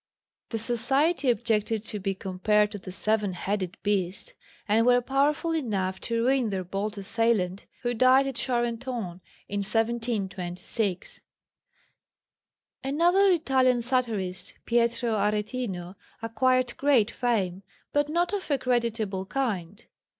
The Society objected to be compared to the Seven headed Beast, and were powerful enough to ruin their bold assailant, who died at Charenton in 1726. Another Italian satirist, Pietro Aretino, acquired great fame, but not of a creditable kind.